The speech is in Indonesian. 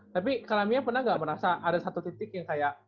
tapi kami pernah nggak merasa ada satu titik yang kayak